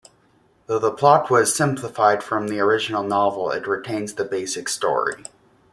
Though the plot was simplified from the original novel, it retains the basic story.